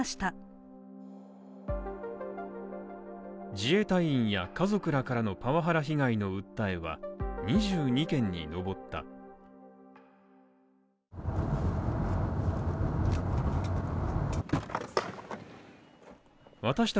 自衛隊員や家族らからのパワハラ被害の訴えは２２件に上った。